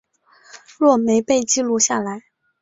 若没被记录下来